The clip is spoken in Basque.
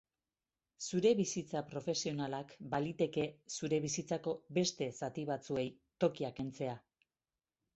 Zure bizitza profesionalak baliteke zure bizitzako beste zati batzuei tokia kentzea.